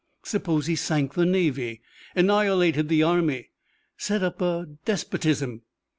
Suppose he sank the navy, annihilated the army, set up a despotism?